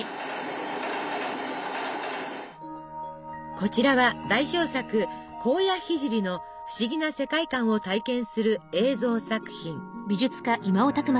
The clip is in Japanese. こちらは代表作「高野聖」の不思議な世界観を体験する映像作品。